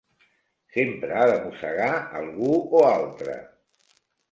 Sempre ha de mossegar algú o altre.